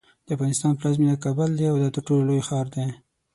د افغانستان پلازمینه کابل ده او دا ترټولو لوی ښار دی.